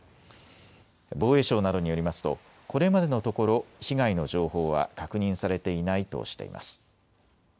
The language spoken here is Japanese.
防衛省などによりますとこれまでのところ被害の情報は確認されていないとしています。